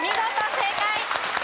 正解。